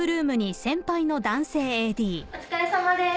お疲れさまでーす。